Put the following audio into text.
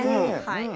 はい。